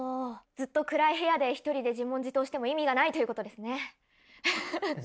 ずっと暗い部屋で一人で自問自答しても意味がないということですね。